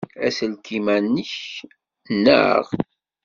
Aselkim-a nnek, naɣ?